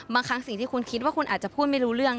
บางครั้งสิ่งที่คุณคิดว่าคุณอาจจะพูดไม่รู้เรื่อง